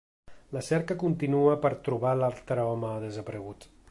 La cerca continua per trobar l’altre home desaparegut.